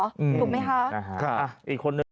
ถูกไหมคะอีกคนนึง